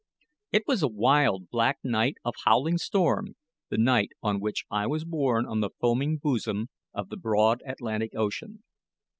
It was a wild, black night of howling storm, the night on which I was born on the foaming bosom of the broad Atlantic Ocean.